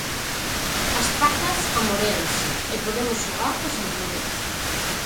As pacas amoréanse e podemos xogar coas alturas.